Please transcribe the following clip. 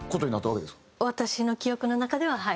私の記憶の中でははい。